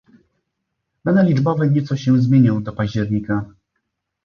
Dane liczbowe nieco się zmienią do października